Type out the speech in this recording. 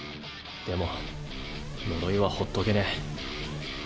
でも呪いはほっとけねぇ。